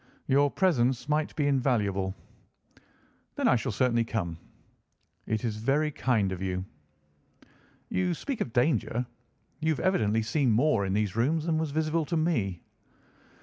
"Your presence might be invaluable." "Then I shall certainly come." "It is very kind of you." "You speak of danger. You have evidently seen more in these rooms than was visible to me."